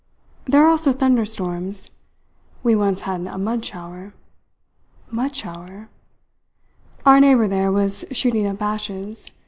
"There are also thunderstorms. We once had a 'mud shower.'" "Mud shower?" "Our neighbour there was shooting up ashes.